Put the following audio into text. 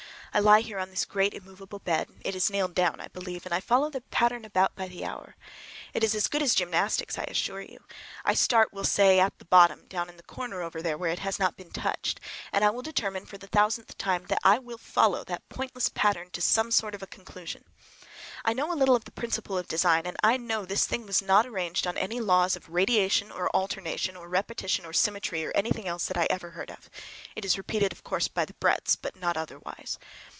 I lie here on this great immovable bed—it is nailed down, I believe—and follow that pattern about by the hour. It is as good as gymnastics, I assure you. I start, we'll say, at the bottom, down in the corner over there where it has not been touched, and I determine for the thousandth time that I will follow that pointless pattern to some sort of a conclusion. I know a little of the principle of design, and I know this thing was not arranged on any laws of radiation, or alternation, or repetition, or symmetry, or anything else that I ever heard of. It is repeated, of course, by the breadths, but not otherwise.